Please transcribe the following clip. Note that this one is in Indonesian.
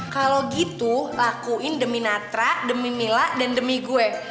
kalau gitu lakuin demi natra demi mila dan demi gue